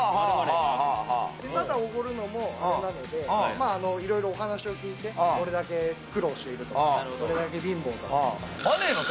ただおごるのもあれなのでいろいろお話を聞いてどれだけ苦労しているとか「マネーの虎」